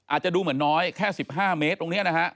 อาจจะดูเหมือนน้อยแค่๑๕เมตรตรงนี้นะฮะ